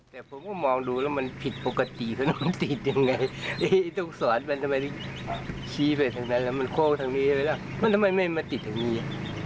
แต่ผมก็มองดูแล้วมันผิดปกติถนนติดยังไงต้องสอนมันทำไมชี้ไปทางนั้นแล้วมันโค้งทางนี้ไหมล่ะมันทำไมไม่มาติดอย่างนี้